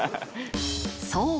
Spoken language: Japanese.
そう！